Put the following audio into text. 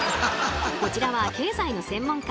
こちらは経済の専門家